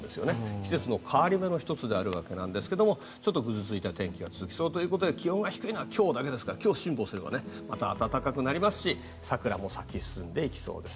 季節の変わり目の１つでもあるわけですがちょっとぐずついた天気が続きそうということで気温が低いのは今日だけですから今日辛抱すればまた暖かくなりますし桜も咲き進んでいきそうです。